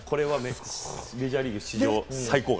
メジャーリーグ最高額。